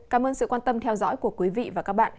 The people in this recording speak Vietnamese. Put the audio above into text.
cảm ơn sự quan tâm theo dõi của quý vị và các bạn